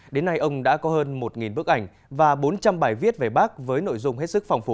đến nay ông đã có hơn một bức ảnh và bốn trăm linh bài viết về bác với nội dung hết sức phong phú